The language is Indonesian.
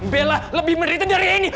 bella lebih menderita dari ini